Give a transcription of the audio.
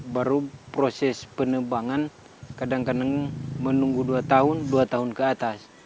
baru proses penebangan kadang kadang menunggu dua tahun dua tahun ke atas